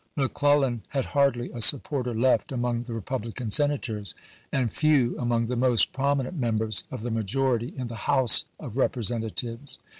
McClellan had hardly a supporter left among the Republican Senators, and few among the most prominent members of the majority in the House of Representatives.